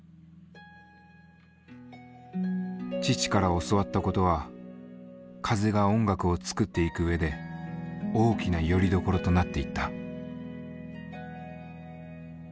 父から教わったことは風が音楽を作っていく上で大きなよりどころとなっていった。